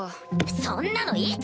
そんなのいつ。